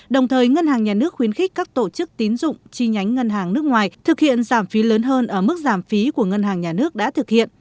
đồng thời ngân hàng nhà nước khuyến khích các tổ chức tín dụng chi nhánh ngân hàng nước ngoài thực hiện giảm phí lớn hơn ở mức giảm phí của ngân hàng nhà nước đã thực hiện